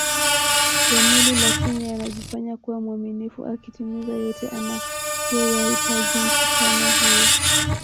ya mwili lakini anajifanya kuwa mwaminifu akitimiza yote anayoyahitaji msichana huyo